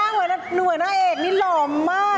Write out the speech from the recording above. โอ้นั่งเหมือนหน้าเอกนี่หล่อมากนะ